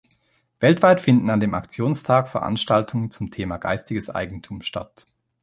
Weltweit finden an dem Aktionstag Veranstaltungen zum Thema geistiges Eigentum statt.